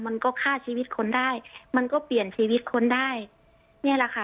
มันก็ฆ่าชีวิตคนได้มันก็เปลี่ยนชีวิตคนได้เนี่ยแหละค่ะ